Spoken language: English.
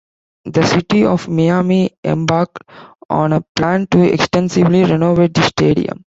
The City of Miami embarked on a plan to extensively renovate the stadium.